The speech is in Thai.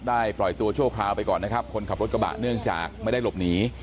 ปล่อยตัวชั่วคราวไปก่อนนะครับคนขับรถกระบะเนื่องจากไม่ได้หลบหนี